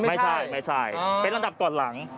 ไม่ใช่เป็นลันดับก่อนหลัง